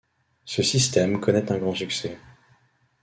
Ce système connaît un grand succès.